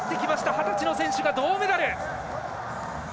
二十歳の選手が銅メダル。